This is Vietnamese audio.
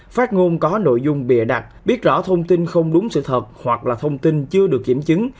phát ngôn có nội dung bịa đặt biết rõ thông tin không đúng sự thật hoặc là thông tin chưa được kiểm chứng